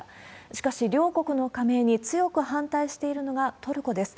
しかし、両国の加盟に強く反対しているのがトルコです。